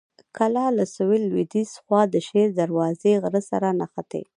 کلا له سویل لویديځې خوا د شیر دروازې غر سره نښتې.